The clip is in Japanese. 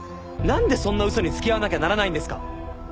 なんでそんな嘘に付き合わなきゃならないんですか。